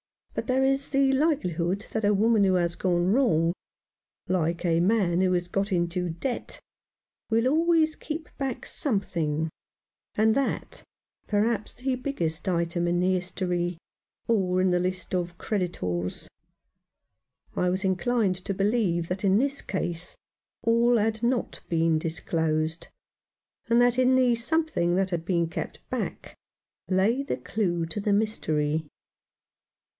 But there is the likelihood that a woman who has gone wrong — like a man 1S1 Rough Justice. who has got into debt — will always keep back something, and that perhaps the biggest item in the history, or in the list of creditors. I was inclined to believe that in this case all had not been disclosed, and that in the something that had been kept back lay the clue to the mystery.